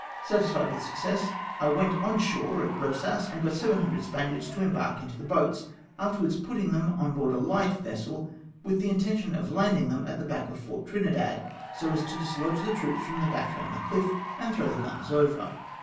Satisfied with the success, I went on shore at Eosas, and got 700 Spaniards to embark in the boats, afterwards putting them on board a light vessel, with the intention of landing them at the back of Fort Trinidad, so as to dislodge the troops from the battery on the chfF, and throw the guns over.